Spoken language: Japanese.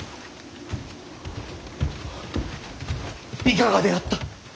いかがであった。